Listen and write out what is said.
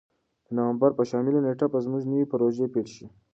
د نوامبر په شلمه نېټه به زموږ نوې پروژې پیل شي.